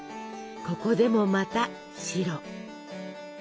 ここでもまた「白」。